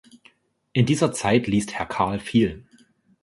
In dieser Zeit liest Herr Karl viel.